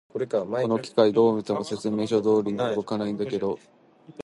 この機械、どう見ても説明書通りに動かないんだけど、どうしよう。